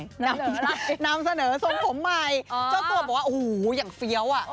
นำเสนออะไรนำเสนอทรงผมใหม่เจ้าตัวบอกว่าโอ้โหอย่างเฟี้ยวอ่ะ